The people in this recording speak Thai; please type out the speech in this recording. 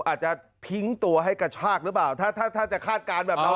อาจจะทิ้งตัวให้กระชากหรือเปล่าถ้าถ้าจะคาดการณ์แบบนั้น